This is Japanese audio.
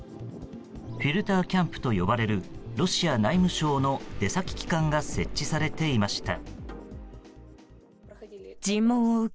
フィルターキャンプと呼ばれるロシア内務省の出先機関が設置されていました。